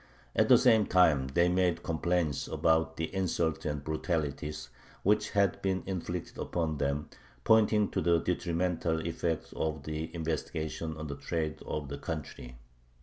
At the same time they made complaints about the insults and brutalities which had been inflicted upon them, pointing to the detrimental effect of the investigation on the trade of the country.